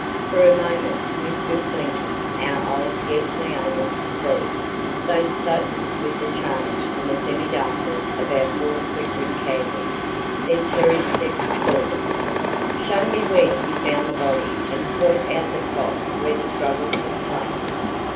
For a moment we stood blinking our eyes scarcely able to see, so sudden was the change from the semi darkness of our four flickering candles. Then Terry stepped forward. "Show me where you found the body and point out the spot where the struggle took place."